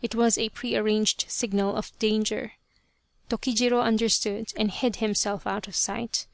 It was a pre arranged signal of danger. Tokijiro under stood and hid himself out of sight.